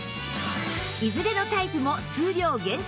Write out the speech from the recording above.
いずれのタイプも数量限定！